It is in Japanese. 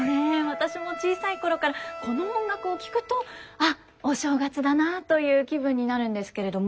私も小さい頃からこの音楽を聴くと「あっお正月だな」という気分になるんですけれども。